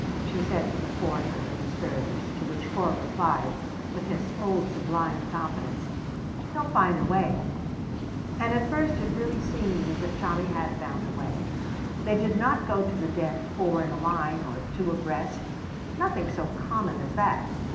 she said to the fourth of the conspirators, to which Corp replied, with his old sublime confidence, "He'll find a way." And at first it really seemed as if Tommy had found a way. They did not go to the Den four in a line or two abreast nothing so common as that.